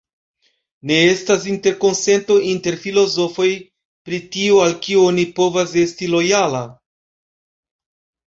Ne estas interkonsento inter filozofoj pri tio al kio oni povas esti lojala.